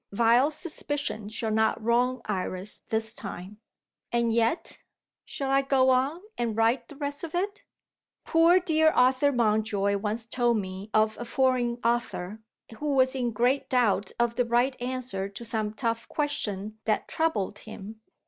Vile suspicion shall not wrong Iris this time. And yet Shall I go on, and write the rest of it? Poor, dear Arthur Mountjoy once told me of a foreign author, who was in great doubt of the right answer to some tough question that troubled him.